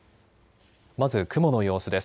まず雲の様子です。